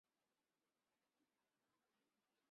郑维健博士投资有限公司主席兼董事总经理。